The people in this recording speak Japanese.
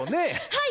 はい！